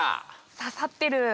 刺さってる。